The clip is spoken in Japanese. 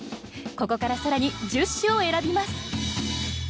ここから更に１０首を選びます